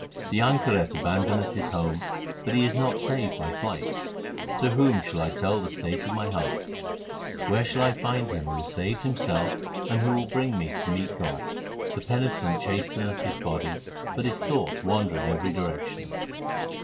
The anchoret abandoneth his home, but he is not saved by flight. To whom shall I tell the state of my heart ? Where shall I find him who is saved himself and who will bring me to meet God ? The penitent chasteneth his body, but his thoughts wander in every direction.